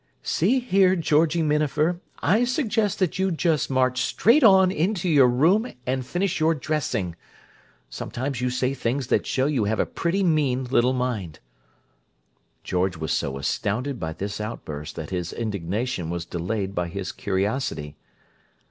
"See here, Georgie Minafer, I suggest that you just march straight on into your room and finish your dressing! Sometimes you say things that show you have a pretty mean little mind!" George was so astounded by this outburst that his indignation was delayed by his curiosity.